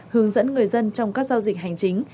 hướng dẫn người dân trong các giao dịch hành chính